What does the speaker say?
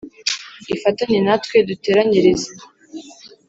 Ifatanye Natwe Duteranyirize